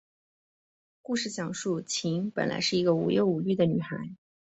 故事讲述琴本来是一个无忧无虑的女孩。